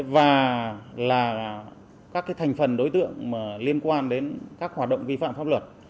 và là các thành phần đối tượng liên quan đến các hoạt động vi phạm pháp luật